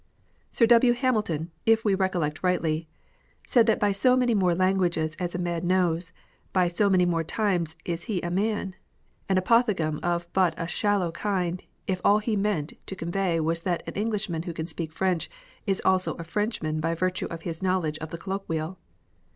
Sir W. Hamilton, if we recollect rightly, said that by so many more languages as a man knows, by so many more times is he a man — an apophthegm of but a shallow kind if all he meant to convey was that an Englishman who can speak French is also a French man by virtue of his knowledge of the colloquial.